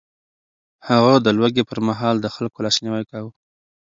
هغه د لوږې پر مهال د خلکو لاسنيوی کاوه.